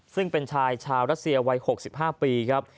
ซึ่งเป็นชายชาวรัสเซียวัย๖๕ปีครับ